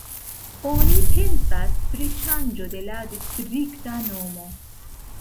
Oni pensas pri ŝanĝo de la distrikta nomo.